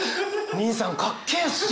にいさんかっけえっすよ！